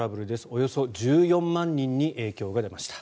およそ１４万人に影響が出ました。